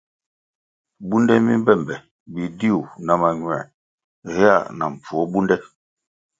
Bunde mi mbe be bidiu na mañuē héa na mpfuo bunde.